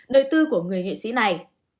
đời tư của người nghệ sĩ này